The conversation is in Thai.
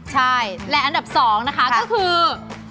ใช่และอันดับ๒นะคะก็คือ